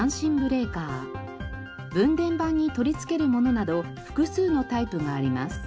分電盤に取り付けるものなど複数のタイプがあります。